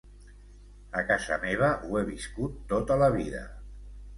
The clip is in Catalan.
A casa meva ho he viscut tota la vida.